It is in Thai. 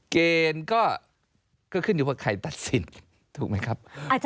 เกณฑ์ก็ขึ้นอยู่ว่าใครตัดสินถูกไหมครับ